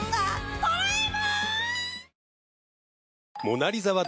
ドラえもーん！！